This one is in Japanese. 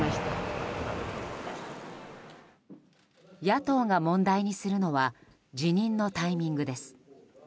野党が問題にするのは辞任のタイミングです。